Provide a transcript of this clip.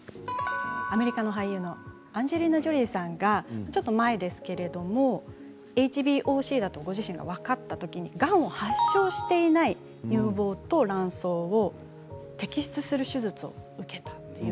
アメリカの俳優のアンジェリーナ・ジョリーさんがちょっと前ですけれどもＨＢＯＣだとご自身が分かったときにがんを発症していない乳房と卵巣を摘出する手術を受けたんです。